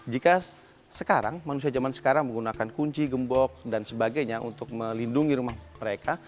jika sekarang manusia zaman sekarang menggunakan kunci gembok dan sebagainya untuk melindungi rumah mereka